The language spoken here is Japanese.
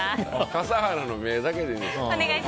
笠原の眼だけでいいんです。